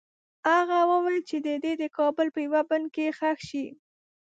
هغه وویل چې دی دې د کابل په یوه بڼ کې ښخ شي.